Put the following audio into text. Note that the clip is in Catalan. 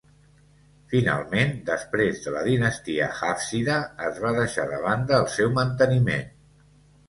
Finalment, després de la dinastia Hàfsida, es va deixar de banda el seu manteniment.